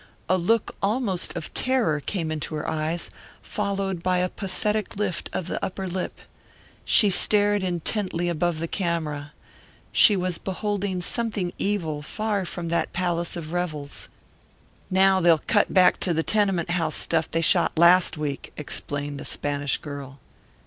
A look almost of terror came into her eyes, followed by a pathetic lift of the upper lip. She stared intently above the camera. She was beholding some evil thing far from that palace of revels. "Now they'll cut back to the tenement house stuff they shot last week," explained the Spanish girl.